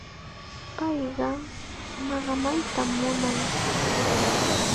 Payqa maqamaytam munan.